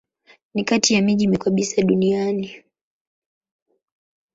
Ni kati ya miji mikubwa kabisa duniani.